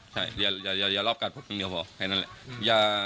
ใช่อย่าอย่าอย่าอย่ารอบกัดผมเพียงเดียวพอแค่นั้นแหละอย่า